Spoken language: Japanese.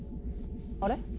あれ？